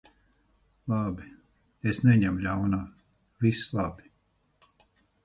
Labi. Es neņemu ļaunā. Viss labi.